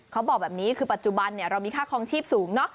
เขาบอกแบบนี้คือปัจจุบันเรามีค่าคลองชีพสูงเนอะ